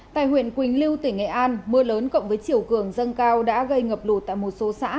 tại huyện quỳnh lưu tỉnh nghệ an mưa lớn cộng với chiều cường dâng cao đã gây ngập lụt tại một số xã